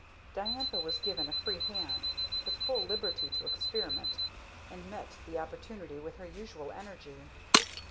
Diantha was given a free hand, with full liberty to experiment, and met the opportunity with her usual energy.